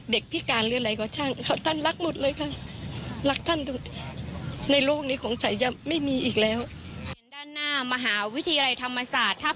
เด็กพิการหรืออะไรก็ช่างเขาท่านรักหมดเลยค่ะ